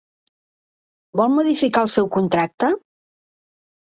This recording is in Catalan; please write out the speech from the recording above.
Vol modificar el seu contracte?